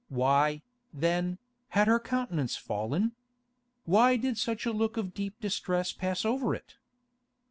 Why, then, had her countenance fallen? Why did such a look of deep distress pass over it?